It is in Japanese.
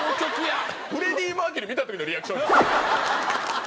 フレディ・マーキュリー見た時のリアクション。